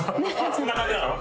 そんな感じなの？